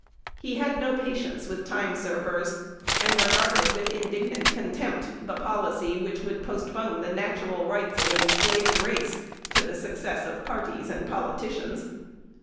He had no patience with time servers, and regarded with indignant contempt the "policy" which would postpone the natural rights of an enslaved race to the success of parties and politicians.